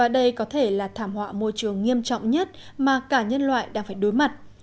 điều nghiêm trọng nhất mà cả nhân loại đang phải đối mặt